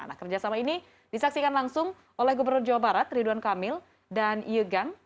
nah kerjasama ini disaksikan langsung oleh gubernur jawa barat ridwan kamil dan yegang